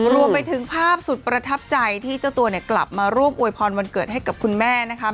รวมไปถึงภาพสุดประทับใจที่เจ้าตัวเนี่ยกลับมาร่วมอวยพรวันเกิดให้กับคุณแม่นะคะ